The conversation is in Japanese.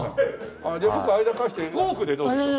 じゃあ僕が間介して５億でどうでしょう？